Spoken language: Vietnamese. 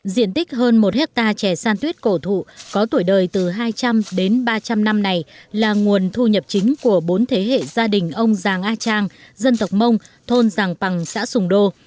diện tích hơn một hectare trẻ san tuyết cổ thụ có tuổi đời từ hai trăm linh đến ba trăm linh năm này là nguồn thu nhập chính của bốn thế hệ gia đình ông giàng a trang dân tộc mông thôn giàng bằng xã sùng đô